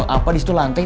apa disitu lantai